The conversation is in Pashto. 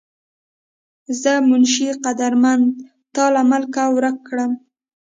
زۀ منشي قدرمند تا لۀ ملکه ورک کړم